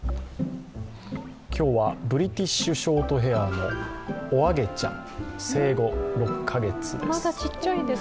今日はブリティッシュショートヘアのおあげちゃん、生後６カ月です。